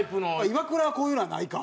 イワクラはこういうのはないか。